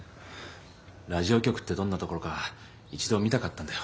ラジオ局ってどんな所か一度見たかったんだよ。